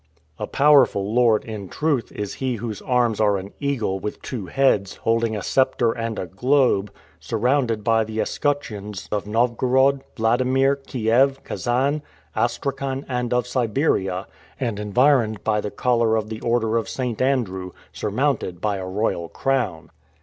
A powerful lord, in truth, is he whose arms are an eagle with two heads, holding a scepter and a globe, surrounded by the escutcheons of Novgorod, Wladimir, Kiev, Kasan, Astrakhan, and of Siberia, and environed by the collar of the order of St. Andrew, surmounted by a royal crown!